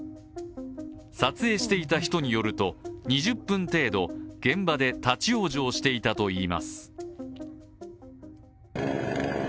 撮影していた人によると、２０分程度現場で立往生していたといいます。